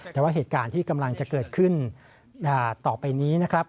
แต่ว่าเหตุการณ์ที่กำลังจะเกิดขึ้นต่อไปนี้นะครับ